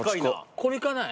これ行かない？